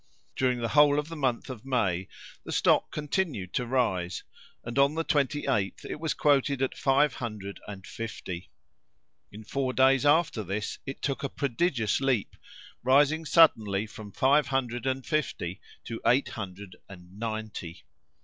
During the whole of the month of May the stock continued to rise, and on the 28th it was quoted at five hundred and fifty. In four days after this it took a prodigious leap, rising suddenly from five hundred and fifty to eight hundred and ninety.